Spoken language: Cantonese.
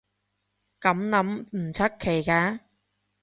噉諗唔出奇㗎